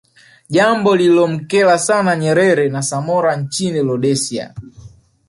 Jambo lililomkera sana Nyerere na Samora Nchini Rhodesia